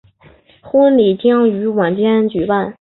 婚礼将于晚间举办。